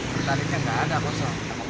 pertalite nya nggak ada kosong